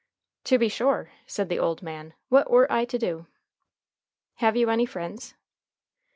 "To be sure," said the old man. "What ort I to do?" "Have you any friends?"